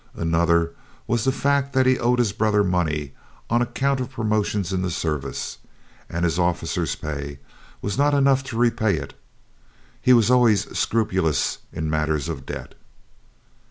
Another was the fact that he owed his brother money on account of promotions in the service, and his officer's pay was not enough to repay it. He was always scrupulous in matters of debt.